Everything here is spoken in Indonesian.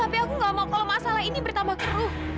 tapi aku gak mau kalau masalah ini bertambah keruh